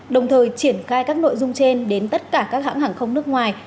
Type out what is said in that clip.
đồng thời triển khai các nội dung trên đến tất cả các hãng hàng không nước ngoài